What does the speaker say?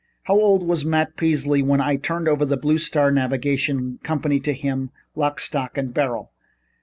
How old was Matt Peasley when I turned over the Blue Star Navigation Company to him, lock, stock and barrel?